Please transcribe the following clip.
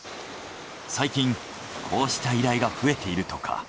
最近こうした依頼が増えているとか。